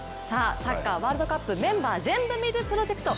サッカーワールドカップメンバーぜんぶ見るプロジェクト。